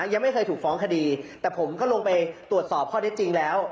ยังไม่เคยถูกฟ้องคดีแต่ผมก็ลงไปตรวจสอบข้อได้จริงแล้ว